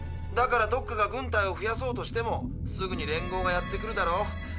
だからどっかが軍隊を増やそうとしてもすぐに連合がやって来るだろ。